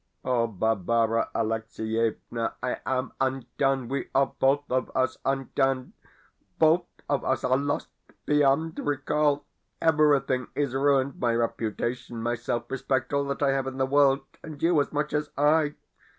O Barbara Alexievna, I am undone we are both of us undone! Both of us are lost beyond recall! Everything is ruined my reputation, my self respect, all that I have in the world! And you as much as I.